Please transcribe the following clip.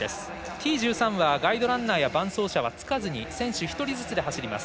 Ｔ１３はガイドランナーや伴走者はつかずに選手１人ずつで走ります。